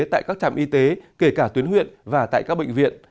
tại các trạm y tế kể cả tuyến huyện và tại các bệnh viện